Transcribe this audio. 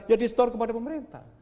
ya disetor kepada pemerintah